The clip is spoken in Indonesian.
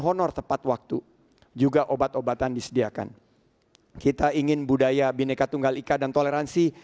honor tepat waktu juga obat obatan disediakan kita ingin budaya bineka tunggal ika dan toleransi